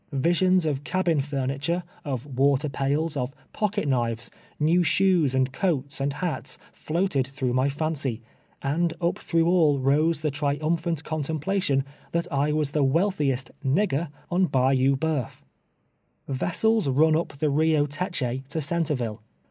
Visions of cabin furnitm e, of ■water pails, of pocket knives, new shoes and coats and hats, floated through my fiincy, and up through all rose the triumphant contemplation, that I was the wealthiest " nigger" on Bayou Boeuf. Vessels run up the Rio Teche to Centreville.